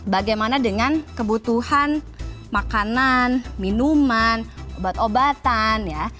bagaimana dengan kebutuhan makanan minuman obat obatan ya